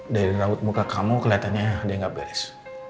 dari rambut muka kamu keliatannya dia gak beres